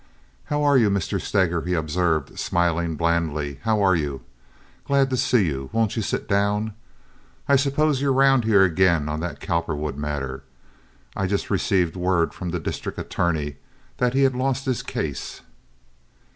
"How are you, Mr. Steger?" he observed, smiling blandly. "How are you? Glad to see you. Won't you sit down? I suppose you're round here again on that Cowperwood matter. I just received word from the district attorney that he had lost his case."